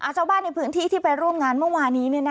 ชาวบ้านในพื้นที่ที่ไปร่วมงานเมื่อวานนี้